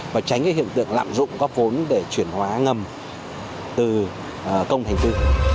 và tránh cái hiện tượng lạm dụng góp vốn để chuyển hóa ngầm từ công thành tư